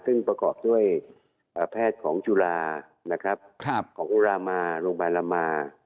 ซึ่งประกอบด้วยแพทย์ของจุฬานะครับของอุรามาโรงพยาบาลละมา